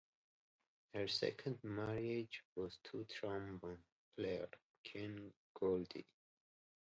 Her second marriage was to trombone player, Ken Goldie.